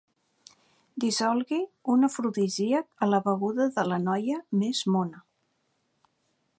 Dissolgui un afrodisíac a la beguda de la noia més mona.